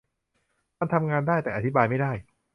มันทำงานได้ แต่อธิบายไม่ได้